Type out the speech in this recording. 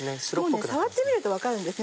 触ってみると分かるんです